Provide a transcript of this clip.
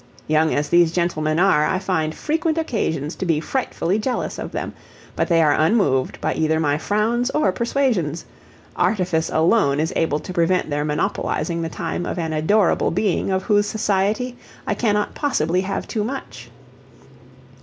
Young as these gentlemen are I find frequent occasions to be frightfully jealous of them, but they are unmoved by either my frowns or persuasions artifice alone is able to prevent their monopolizing the time of an adorable being of whose society I cannot possibly have too much.